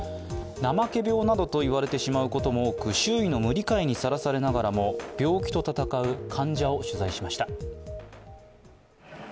怠け病などと言われてしまうことも多く、周囲の無理解にさらされながらも病気と闘う患者を取材しました。